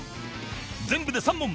全部で３問。